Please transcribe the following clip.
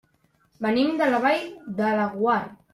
Venim de la Vall de Laguar.